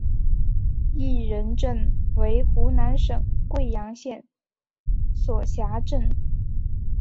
仁义镇为湖南省桂阳县所辖镇。